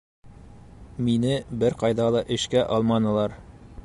Мине бер ҡайҙа ла эшкә алманылар.